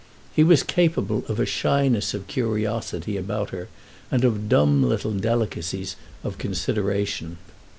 He was capable of a shyness of curiosity about her and of dumb little delicacies of consideration.